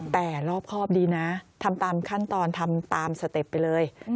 แต่รอบครอบดีนะทำตามขั้นตอนทำตามสเต็ปไปเลย